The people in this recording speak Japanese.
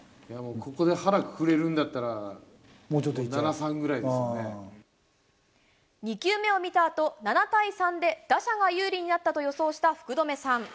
ここで腹くくれるんだったら、２球目を見たあと、７対３で打者が有利になったと予想した福留さん。